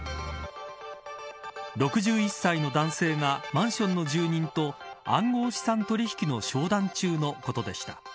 ６１歳の男性がマンションの住人と暗号資産取引の商談中のことでした。